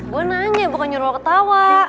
gue nanya bukan nyuruh ketawa